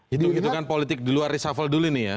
hitung hitungan politik di luar reshuffle dulu nih ya